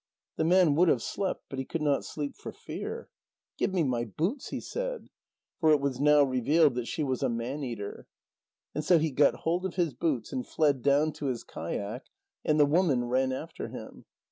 The man would have slept, but he could not sleep for fear. "Give me my boots," he said. For it was now revealed that she was a man eater. And so he got hold of his boots and fled down to his kayak, and the woman ran after him.